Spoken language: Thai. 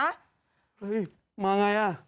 เฮ้ยมาไง